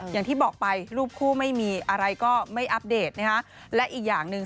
อย่างที่บอกไปรูปคู่ไม่มีอะไรก็ไม่อัปเดตนะฮะและอีกอย่างหนึ่ง